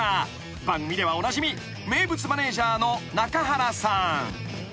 ［番組ではおなじみ名物マネジャーの中原さん］